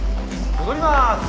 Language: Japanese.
戻ります。